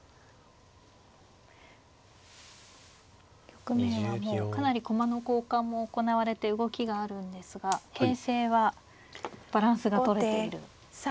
局面はもうかなり駒の交換も行われて動きがあるんですが形勢はバランスがとれている。